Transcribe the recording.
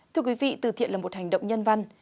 thưa quý vị từ thiện là một hành động nhân văn